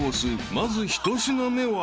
まず１品目は］